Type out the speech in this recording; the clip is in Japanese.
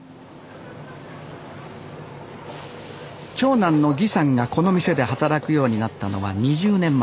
長男の儀さんがこの店で働くようになったのは２０年前。